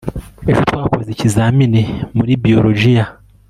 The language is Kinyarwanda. ejo twakoze ikizamini muri biologiya